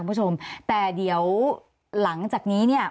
คุณผู้ชมแต่เดี๋ยวหลังจากนี้เนี่ย